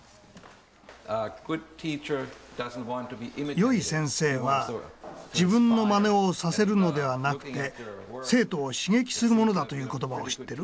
「良い先生は自分の真似をさせるのではなくて生徒を刺激するものだ」という言葉を知ってる？